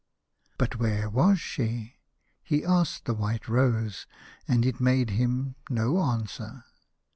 But where was she ? He asked the white rose, and it made him no answer.